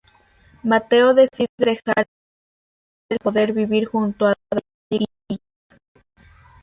Mateo decide dejar el sacerdocio para poder vivir junto a Dalila y Yasna.